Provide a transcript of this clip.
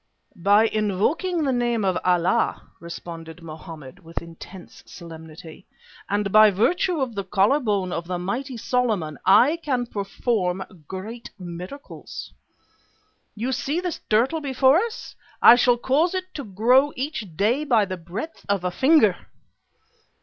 "By invoking the name of Allah," responded Mohammed with intense solemnity, "and by virtue of the collar bone of the mighty Solomon, I can perform great miracles. You see this turtle before us? I shall cause it to grow each day the breadth of a finger!"